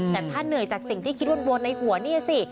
แต่ถ้าเหนื่อยจากสิ่งที่คิดวนในหัวนี่สิ